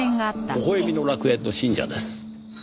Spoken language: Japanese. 微笑みの楽園の信者です。